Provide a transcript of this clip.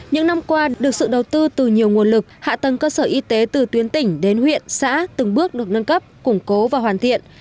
những năm qua được sự đầu tư từ nhiều nguồn lực hạ tầng cơ sở y tế từ tuyến tỉnh đến huyện xã từng bước được nâng cấp củng cố và hoàn thiện